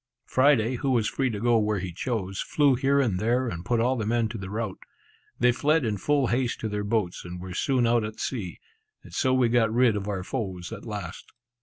Friday, who was free to go where he chose, flew here and there, and put all the men to the rout. They fled in full haste to their boats, and were soon out at sea; and so we got rid of our foes at last.